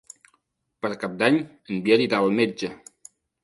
Per Cap d'Any en Biel irà al metge.